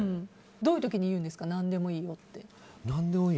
どういう時に言うんですか何でもいいって。